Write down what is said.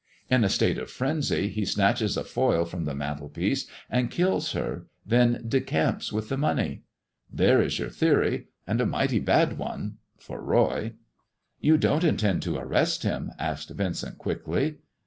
In a state of frenzy, he snatches a foil from the mantelpiece and kills her, then iecamps with the money. There is your theory, and a mighty bad one — for Boy. "" You don't intend to arrest him 1 " asked Yincent quickly.